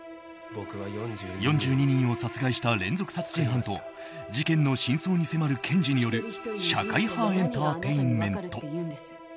４２人を殺害した連続殺人犯と事件の真相に迫る検事による社会派エンターテインメント。